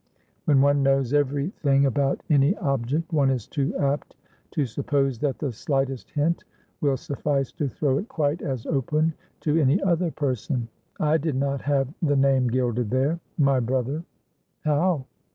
When one knows every thing about any object, one is too apt to suppose that the slightest hint will suffice to throw it quite as open to any other person. I did not have the name gilded there, my brother." "How?"